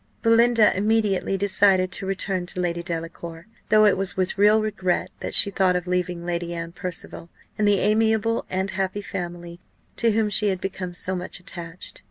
Belinda immediately decided to return to Lady Delacour though it was with real regret that she thought of leaving Lady Anne Percival, and the amiable and happy family to whom she had become so much attached.